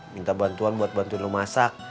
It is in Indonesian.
minta bantuan buat bantuin lu masak